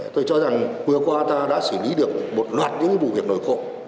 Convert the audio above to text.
tôi cho rằng vừa qua ta đã xử lý được một loạt những vụ việc nổi cộng